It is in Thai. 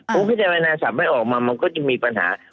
พูดข้างใจว่านายศัพท์ไม่ออกมาก็จะมีปัญหา